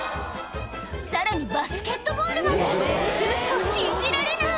さらにバスケットボールまでウソ信じられない！